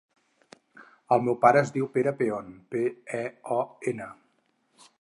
El meu pare es diu Pere Peon: pe, e, o, ena.